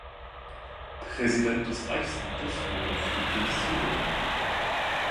Präsident des Reichsamtes wurde Friedrich Syrup.